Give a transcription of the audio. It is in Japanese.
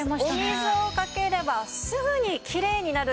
お水をかければすぐにきれいになるんです。